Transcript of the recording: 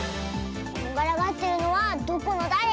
こんがらがってるのはどこのだれ？